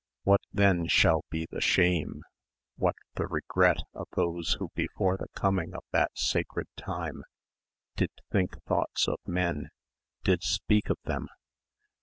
What then shall be the shame, what the regret of those who before the coming of that sacred time did think thoughts of men, did speak of them?